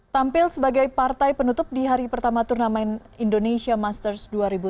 tampil sebagai partai penutup di hari pertama turnamen indonesia masters dua ribu sembilan belas